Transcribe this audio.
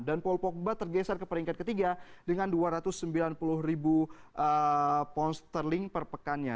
dan paul pogba tergeser ke peringkat ketiga dengan dua ratus sembilan puluh ribu pound sterling per pekannya